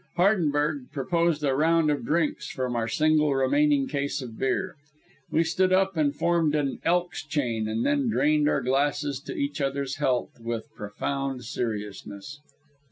Hardenberg proposed a round of drinks from our single remaining case of beer. We stood up and formed an Elk's chain and then drained our glasses to each other's health with profound seriousness.